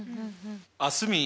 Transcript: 蒼澄